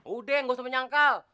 udah gak usah menyangkal